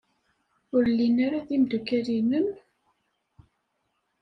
Ur llin ara d imeddukal-nnem?